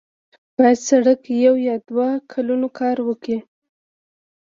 باید سړک یو یا دوه کلونه کار ورکړي.